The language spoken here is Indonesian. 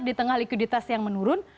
di tengah likuiditas yang menurun